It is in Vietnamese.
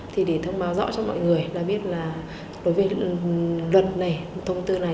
thì để thông báo rõ cho mọi người là biết là đối với luật này thông tư này